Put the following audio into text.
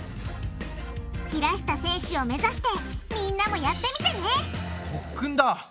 平下選手を目指してみんなもやってみてね特訓だ！